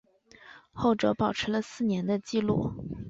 后者保持了四年的纪录。